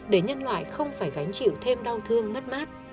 để nhân loại không phải gánh chịu thêm đau thương mất mát